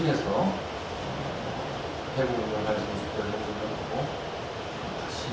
pertandingan lag pertama semifinal indonesia